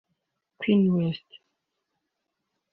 Queen west